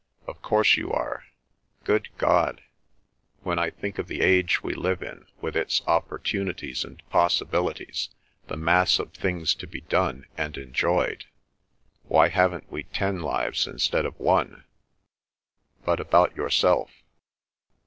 Of course you are! Good God! When I think of the age we live in, with its opportunities and possibilities, the mass of things to be done and enjoyed—why haven't we ten lives instead of one? But about yourself?"